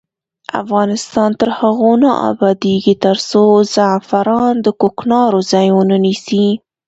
افغانستان تر هغو نه ابادیږي، ترڅو زعفران د کوکنارو ځای ونه نیسي.